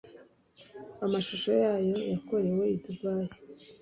amashusho yayo yakorewe i Dubai